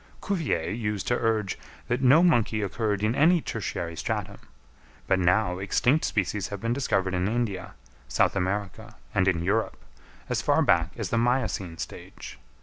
Cuvier used to urge that no monkey occurred in any tertiary stratum; but now extinct species have been discovered in India, South America and in Europe, as far back as the miocene stage.